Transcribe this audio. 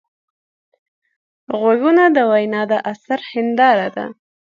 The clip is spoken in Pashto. غوږونه د وینا د اثر هنداره ده